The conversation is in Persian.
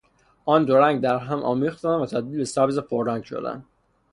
آن دو رنگ درهم آمیختند و تبدیل به سبز پررنگ شدند.